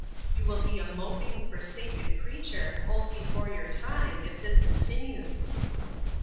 You will be a moping, forsaken creature; old before your time, if this continues."